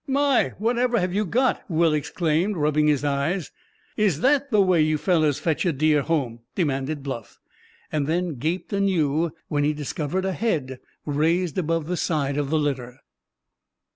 "Why, whatever have you got?" Will exclaimed, rubbing his eyes. "Is that the way you fellows fetch a deer home?" demanded Bluff; and then gaped anew when he discovered a head raised above the side of the litter.